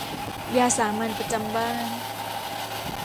ยาสามัญประจำบ้าน